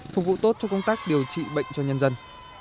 phục vụ tốt cho công tác điều trị bệnh cho nhân dân